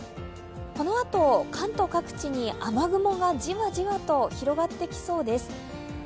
このあと関東各地に雨雲がじわじわと広がってきそうです。